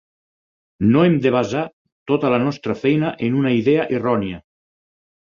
No hem de basar tota la nostra feina en una idea errònia.